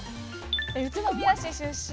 宇都宮市出身